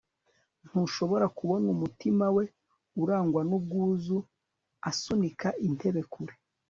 Ntushobora kubona umutima we urangwa nubwuzu asunika intebe kure